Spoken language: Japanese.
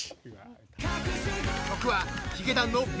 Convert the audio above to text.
［曲は］